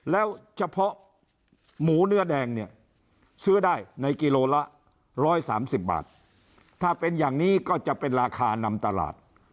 แล้วเฉพาะหมูเนื้อแดงเนี่ยซื้อได้ในกิโลละ๑๓๐บาทถ้าเป็นอย่างนี้ก็จะเป็นราคานำตลาด